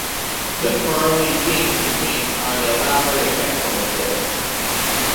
The Pearly Kings and Queens are an elaborate example of this.